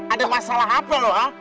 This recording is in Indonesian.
ada masalah apa lu ha